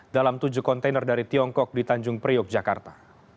dalam tujuh kontainer dari tiongkok di tanjung priok jakarta